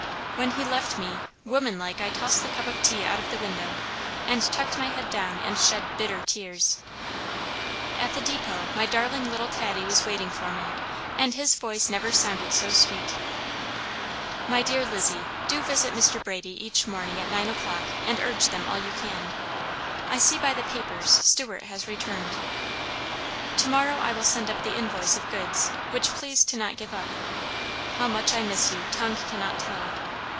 When he left me, woman like I tossed the cup of tea out of the window, and tucked my head down and shed bitter tears. At the depot my darling little Taddie was waiting for me, and his voice never sounded so sweet. My dear Lizzie, do visit Mr. Brady each morning at nine o'clock, and urge them all you can. I see by the papers Stewart has returned. To morrow I will send the invoice of goods, which please to not give up. How much I miss you, tongue cannot tell.